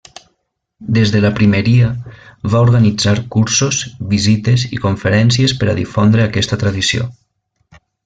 Des de la primeria va organitzar cursos, visites i conferències per a difondre aquesta tradició.